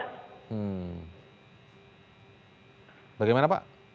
hmm bagaimana pak